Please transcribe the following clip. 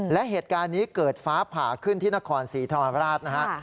และเหตุการณ์นี้เกิดฟ้าผ่าขึ้นที่นครศรีธรรมราชนะฮะ